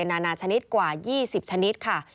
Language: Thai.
นานาชนิดกว่า๒๐ชนิดค่ะ